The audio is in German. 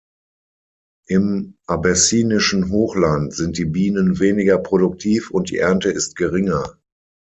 Im abessinischen Hochland sind die Bienen weniger produktiv und die Ernte ist geringer.